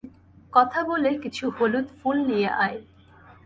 কথা বলে কিছু হলুদ ফুল নিয়ে আয়।